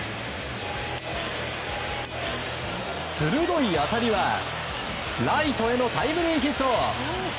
鋭い当たりはライトへのタイムリーヒット！